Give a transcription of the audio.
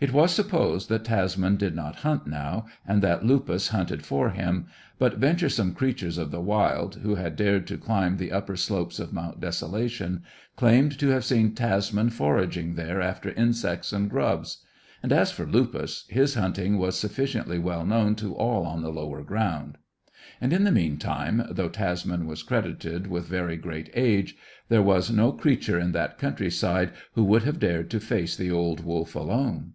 It was supposed that Tasman did not hunt now, and that Lupus hunted for him, but venturesome creatures of the wild, who had dared to climb the upper slopes of Mount Desolation, claimed to have seen Tasman foraging there after insects and grubs; and as for Lupus, his hunting was sufficiently well known to all on the lower ground. And, in the meantime, though Tasman was credited with very great age, there was no creature in that countryside who would have dared to face the old wolf alone.